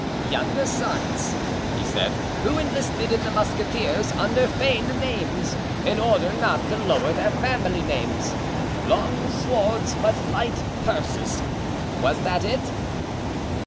"Younger sons," he said, "who enlisted in the musketeers under feigned names in order not to lower their family names. Long swords but light purses. Was that it?"